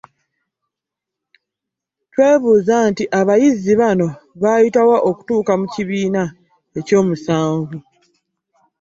Twebuuza nti, abayizi bano baayita wa okutuuka mu kibiina ekyomusanvu